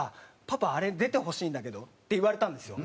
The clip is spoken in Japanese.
パパあれ出てほしいんだけど」って言われたんですよ。